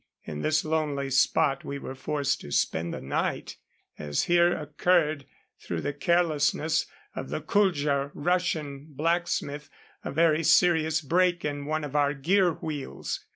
In this lonely spot we were forced to spend the night, as here occurred, through the carelessness of the Kuldja Russian blacksmith, a very serious break in one of our gear wheels.